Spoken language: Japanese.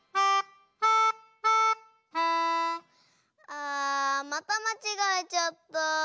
あまたまちがえちゃった。